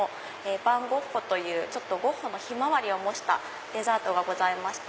ヴァン・ゴッホというゴッホの『ひまわり』を模したデザートがございまして。